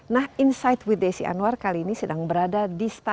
nah insight with desi anwar kali ini sedang berada di stasiun